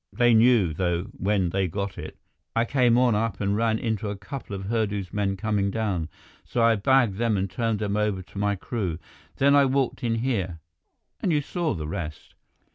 They knew, though, when they got it. I came on up and ran into a couple of Hurdu's men coming down. So I bagged them and turned them over to my crew. Then I walked in here, and you saw the rest."